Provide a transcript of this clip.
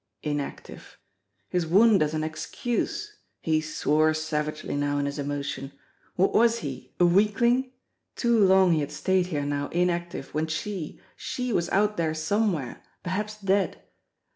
Inactive! His wound as an excuse! He swore savagely now in his emotion. What was he a weakling ! Too long he had stayed here now inactive when she she was out there somewhere perhaps dead.